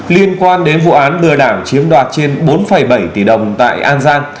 liên quan đến vụ án lừa đảo chiếm đoạt trên bốn bảy tỷ đồng tại an giang